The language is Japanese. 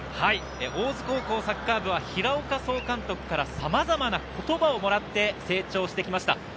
大津高校サッカー部は平岡総監督からさまざまな言葉をもらって成長してきました。